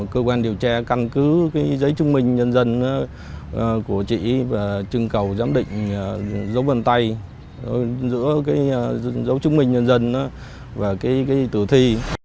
cơ quan điều tra căn cứ giấy chứng minh nhân dân của chị và trưng cầu giám định dấu vân tay giữa cái dấu chứng minh nhân dân và cái tử thi